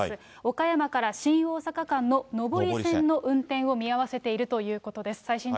岡山から新大阪間の上り線の運転を見合わせているということです。